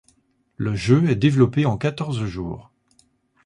Le jeu est développé en quatorze jours.